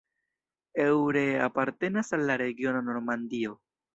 Eure apartenas al la regiono Normandio.